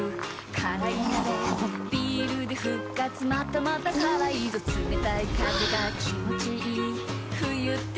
辛い鍋ビールで復活またまた辛いぞ冷たい風が気持ちいい冬って最高だ